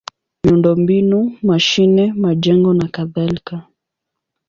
miundombinu: mashine, majengo nakadhalika.